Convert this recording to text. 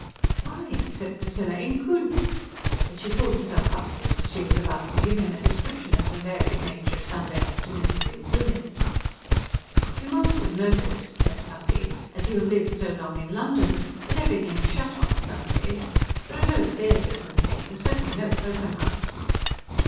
"Why," said Priscilla, "in Kun " but she pulled herself up just as she was about to give him a description of the varied nature of Sunday afternoons in Kunitz. "You must have noticed," said Tussie, "as you have lived so long in London, that everything's shut on Sundays. There are no theatres and things certainly no cocoa nuts."